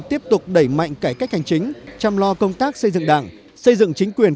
tiếp tục đẩy mạnh cải cách hành chính chăm lo công tác xây dựng đảng xây dựng chính quyền